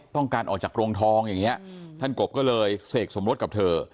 ต้องการออกจากโรงทองอย่างนี้ท่านกบก็เลยเสกสมรสกับเธอ